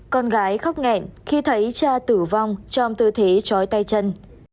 con gái khóc nghẹn khi thấy cha tử vong trong tư thế chói tay chân